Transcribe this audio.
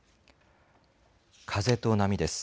風と波です。